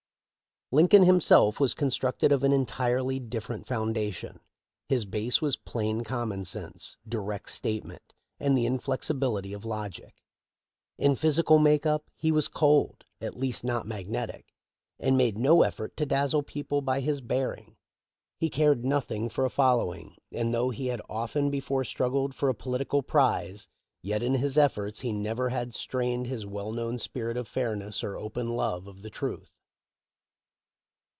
Lincoln himself was constructed on an entirely different foundation. His base was plain common sense, direct statement, and the inflexibility of logic In physical make up he was cold— at least not magnetic— and made no effort to dazzle people by his bearing. He cared nothing for a following, and though he had often before struggled for a polit ical prize, yet in his efforts he never had strained his well known spirit of fairness or open love of the truth.